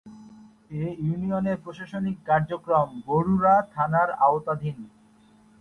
এ ইউনিয়নের প্রশাসনিক কার্যক্রম বরুড়া থানার আওতাধীন।